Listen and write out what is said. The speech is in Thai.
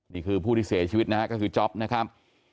นี่คือผู้ที่เสียชีวิตนะฮะก็คือจ๊อปนะครับ